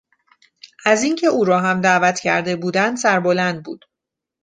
از اینکه او را هم دعوت کرده بودند سربلند بود.